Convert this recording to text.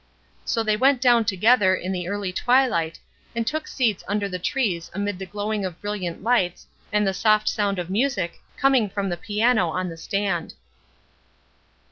So they went down together it the early twilight, and took seats under the trees amid the glowing of brilliant lights and the soft sound of music coming from the piano on the stand.